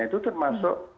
dan itu juga menunjukkan